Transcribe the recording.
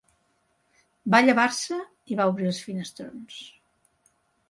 Va llevar-se, i va obrir els finestrons